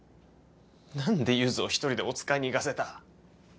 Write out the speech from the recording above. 何でゆづを一人でおつかいに行かせた？